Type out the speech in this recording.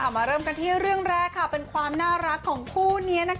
มาเริ่มกันที่เรื่องแรกเป็นความน่ารักของคู่นี้